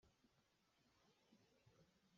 Zunghnam cu a hlet in a chuak.